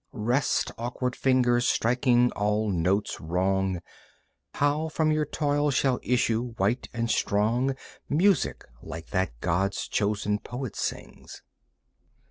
Rest, awkward fingers striking all notes wrong! How from your toil shall issue, white and strong, Music like that God's chosen poet sings?